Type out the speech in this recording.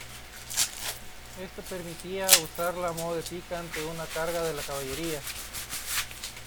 Esto permitía usarla a modo de pica ante una carga de la caballería.